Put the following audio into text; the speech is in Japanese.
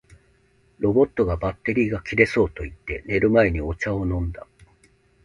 ロボットが「バッテリーが切れそう」と言って、寝る前にお茶を飲んだ